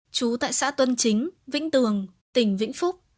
trú tại xã tuân chính vĩnh tường tỉnh vĩnh phúc